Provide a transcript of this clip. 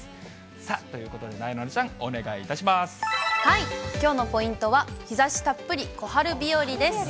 さあ、ということでなえなのちゃきょうのポイントは日ざしたっぷり小春日和です。